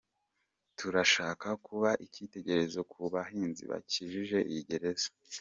Turashaka kuba icyitegererezo ku bahinzi bakikije iyi gereza.